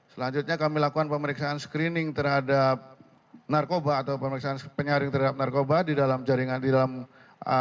selanjutnya kami lakukan pemeriksaan screening terhadap narkoba atau pemeriksaan penyaring terhadap narkoba di dalam jaringan di dalam